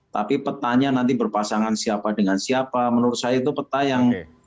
tapi petanya nanti berpasangan siapa dengan siapa menurut saya itu peta yang